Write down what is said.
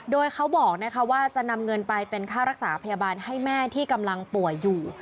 โดยเขาบอกว่าจะนำเงินไปเป็นค่ารักษาพยาบาลให้แม่ที่กำลังป่วยอยู่